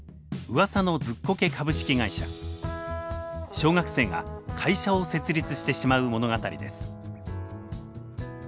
小学生が会社を設立してしまう物語です。